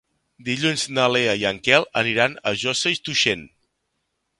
Dilluns na Lea i en Quel aniran a Josa i Tuixén.